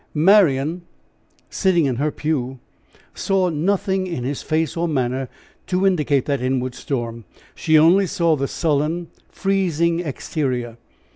Marian, sitting in her pew, saw nothing in his face or manner to indicate that inward storm. She only saw the sullen, freezing exterior.